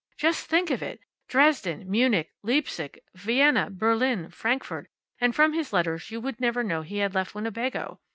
"Just think of it! Dresden, Munich, Leipsic, Vienna, Berlin, Frankfurt! And from his letters you would never know he had left Winnebago.